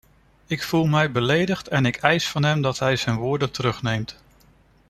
Ik voel mij beledigd en ik eis van hem dat hij zijn woorden terugneemt.